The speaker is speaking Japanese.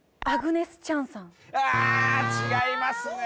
あぁ違いますね。